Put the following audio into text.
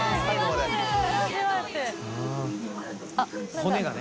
骨がね。